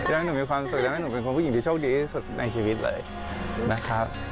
พี่รักหนูมีความสุขแล้วหนูเป็นคนผู้หญิงดีจริง